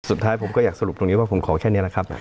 สุดท้ายผมก็อยากสรุปตรงนี้ว่าผมขอแค่นี้แหละครับ